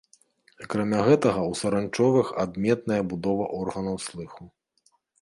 Акрамя гэтага ў саранчовых адметная будова органаў слыху.